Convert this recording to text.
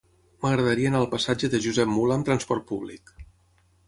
M'agradaria anar al passatge de Josep Mula amb trasport públic.